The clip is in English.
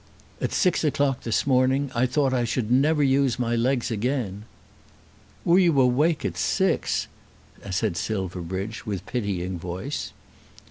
"At six o'clock this morning I thought I should never use my legs again." "Were you awake at six?" said Silverbridge, with pitying voice.